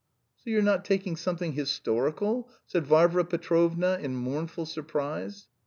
"So you're not taking something historical?'" said Varvara Petrovna in mournful surprise.